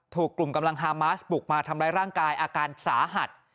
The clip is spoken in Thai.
ถูกกลุ่มกำลังฮามาสบุกมาทำร้ายร่างกายอาการสาหัส